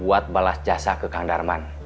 buat balas jasa ke kang darman